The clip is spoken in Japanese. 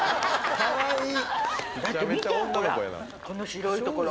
この白い所。